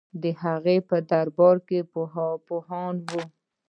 د هغه په دربار کې پوهان وو